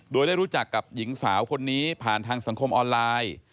โดยได้รู้จักกับหญิงสาวคนนี้ผ่านทางสังคมออนไลน์